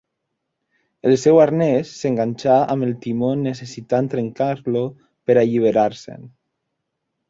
El seu arnès s'enganxà amb el timó necessitant trencar-lo per a alliberar-se'n.